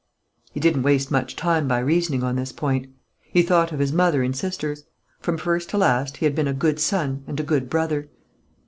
He didn't waste much time by reasoning on this point. He thought of his mother and sisters. From first to last he had been a good son and a good brother.